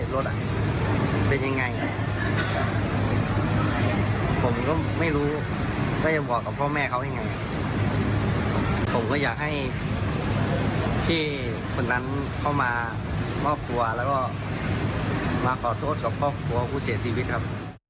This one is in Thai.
แล้วก็มาขอโทษกับพ่อคุณคุณเสียชีวิตครับ